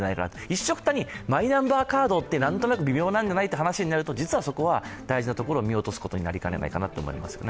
一緒くたに、マイナンバーカードって何となく微妙なんじゃないというと実はそこは大事なところを見落とすことになりかねないかなと思いますね。